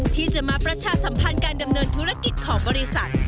ที่จะมาประชาสัมพันธ์การดำเนินธุรกิจของบริษัท